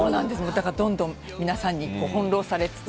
だからどんどん、皆さんに翻弄されつつ。